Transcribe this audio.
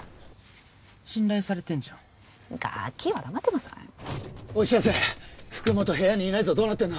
信頼されてんじゃんガキは黙ってなさいおい白瀬福本部屋にいないぞどうなってんだ？